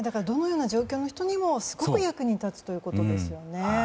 どのような状況の人にもすごく役立つということですね。